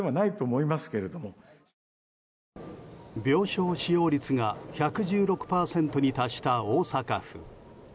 病床使用率が１１６％に達した大阪府。